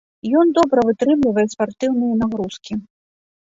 Ён добра вытрымлівае спартыўныя нагрузкі.